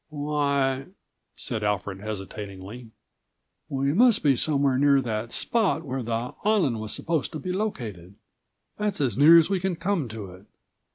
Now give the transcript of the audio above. "Why," said Alfred hesitatingly, "we must be somewhere near that spot where the island157 was supposed to be located. That's as near as we can come to it.